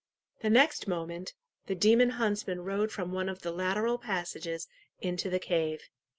The next moment the demon huntsman rode from one of the lateral passages into the cave.